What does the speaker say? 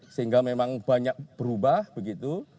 sehingga memang banyak berubah begitu